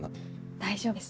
大丈夫です